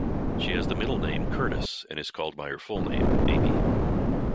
She has the middle name Curtis, and is called by her full name, Amy.